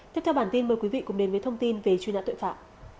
tiếp theo bản tin mời quý vị cùng đến với thông tin về truy nã tội phạm